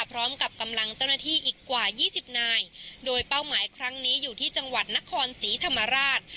พร้อมกับกำลังเจ้าหน้าที่อีกกว่ายี่สิบนายโดยเป้าหมายครั้งนี้อยู่ที่จังหวัดนครศรีธรรมราช